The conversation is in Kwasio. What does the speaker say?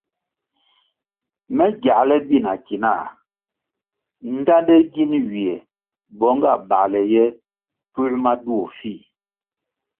Me giāle bi na ki nah ndtande gin ywiè bong nga bāle puoē ma duo fih.